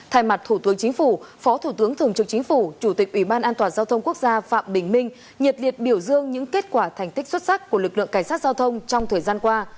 thay mặt thủ tướng chính phủ phó thủ tướng thường trực chính phủ chủ tịch ủy ban an toàn giao thông quốc gia phạm bình minh nhiệt liệt biểu dương những kết quả thành tích xuất sắc của lực lượng cảnh sát giao thông trong thời gian qua